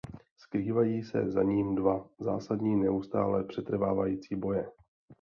Skrývají se za ním dva zásadní neustále přetrvávající boje.